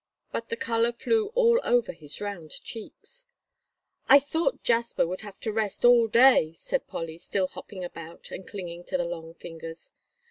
But the color flew all over his round cheeks. "I thought Jasper would have to rest all day," said Polly, still hopping about and clinging to the long fingers.